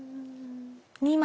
２枚。